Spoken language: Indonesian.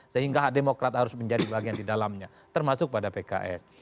sehingga demokrat harus menjadi bagian di dalamnya termasuk pada pks